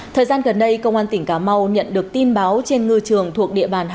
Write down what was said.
thời gian gần đây công an tỉnh cá mau nhận được tin báo trên ngư trường thuộc địa bàn